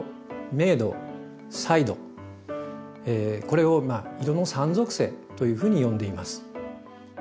これを色の３属性というふうに呼んでいます。